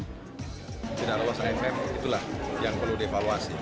timnas senior indonesia itulah yang perlu dievaluasi